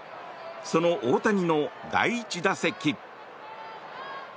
その大谷の第１打席。